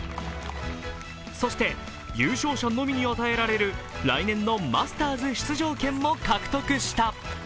そして優勝者のみに与えられる来年のマスターズ出場権も獲得した。